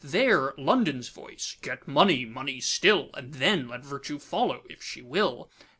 'There London's voice, 'Get money, money still! And then let Virtue follow if she will.